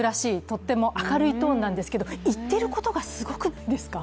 とっても明るいトーンなんですけど言ってることがすごくないですか？